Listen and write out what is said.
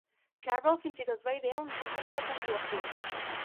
Carroll fins i tot va idear un sistema de puntuació.